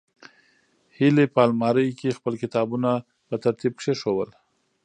هیلې په المارۍ کې خپل کتابونه په ترتیب کېښودل.